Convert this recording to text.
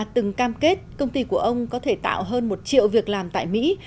từng cam kết công ty của ông có thể tạo hơn một triệu việc làm tại mỹ